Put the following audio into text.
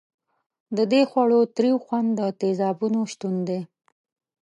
د دې خوړو تریو خوند د تیزابونو شتون دی.